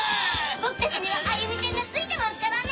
僕たちには歩美ちゃんがついてますからね！